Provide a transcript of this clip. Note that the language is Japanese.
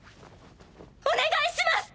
お願いします！